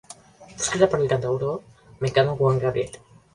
Fue escrita por el cantautor mexicano Juan Gabriel.